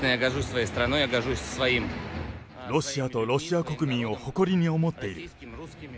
ロシアとロシア国民を誇りに思っている。